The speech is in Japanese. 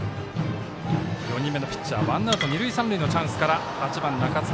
４人目のピッチャーワンアウト、二塁三塁のチャンスから、８番、中塚。